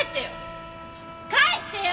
帰ってよ！